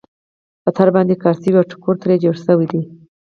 په تار باندې کار شوی او ټوکر ترې جوړ شوی دی.